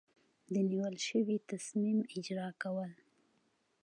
د نیول شوي تصمیم اجرا کول.